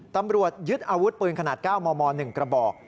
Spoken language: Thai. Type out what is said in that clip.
ตำรวจยึดอาวุธปืนขนาด๙มม๑กระบอก